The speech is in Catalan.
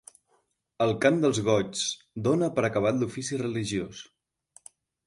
El cant dels goigs dona per acabat l'ofici religiós.